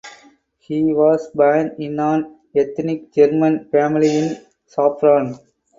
He was born in an ethnic German family in Sopron.